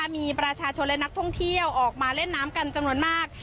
มีประชาชนและนักท่องเที่ยวออกมาเล่นน้ำกันจำนวนมาก